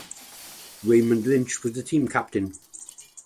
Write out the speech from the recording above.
Raymond Lynch was the team captain.